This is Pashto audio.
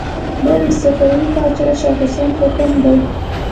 دا د صفوي پاچا شاه حسين حکم دی.